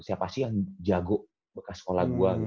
siapa sih yang jago bekas sekolah gue